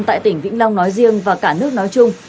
tại tỉnh vĩnh long nói riêng và cả nước nói chung